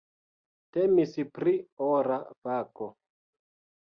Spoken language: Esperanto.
Temis pri ora kafo.